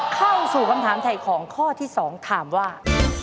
เข้าสู่คำถามถ่ายของข้อที่๒ถามว่า